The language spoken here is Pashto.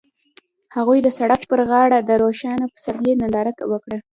هغوی د سړک پر غاړه د روښانه پسرلی ننداره وکړه.